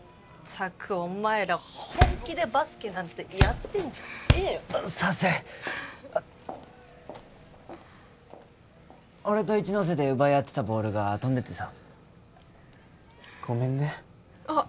ったくお前ら本気でバスケなんてやってんじゃねえよさーせん俺と一ノ瀬で奪い合ってたボールが飛んでってさごめんねあっ